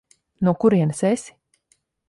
No kurienes esi?